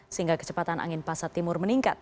sehingga kecepatan angin pasar timur meningkat